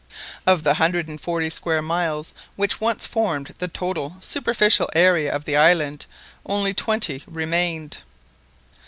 Of the hundred and forty square miles which once formed the total superficial area of the island, only twenty remained.